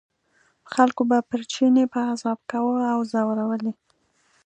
خلکو به پر چیني پازاب کاوه او ځورول یې.